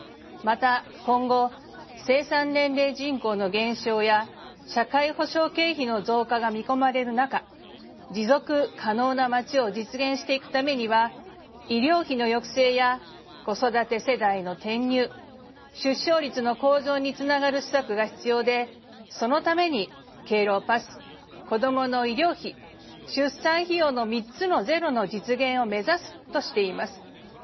また今後生産年齢人口の減少や社会保障経費の増加が見込まれる中持続可能な街を実現していくためには医療費の抑制や子育て世代の転入出生率の向上に繋がる施策が必要でそのために「敬老パス」「子どもの医療費」「出産費用」の３つのゼロの実現を目指すとしています。